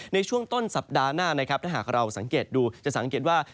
ในช่วงต้นสัปดาห์หน้านะครับถ้าหากเราสังเกตดูจะสังเกตว่า